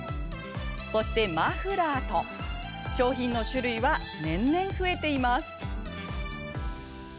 そしてマフラーと、商品の種類は年々増えています。